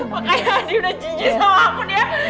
pokoknya dia udah cicis sama aku